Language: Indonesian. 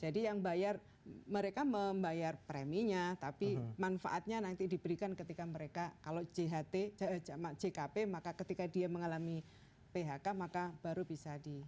jadi yang bayar mereka membayar preminya tapi manfaatnya nanti diberikan ketika mereka kalau jkp maka ketika dia mengalami phk maka baru bisa di